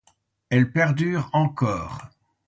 Elles perdurent encore.